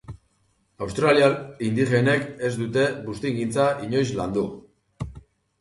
Australiar indigenek ez dute buztingintza inoiz landu